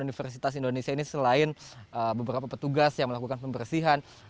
universitas indonesia ini selain beberapa petugas yang melakukan pembersihan